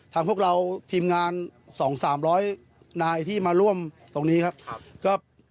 พวกเราทีมงาน๒๓๐๐นายที่มาร่วมตรงนี้ครับ